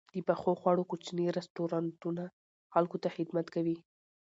د پخو خوړو کوچني رستورانتونه خلکو ته خدمت کوي.